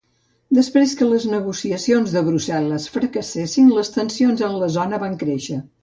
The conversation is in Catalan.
Després que les negociacions a Brussel·les fracassessin, les tensions en la zona van créixer.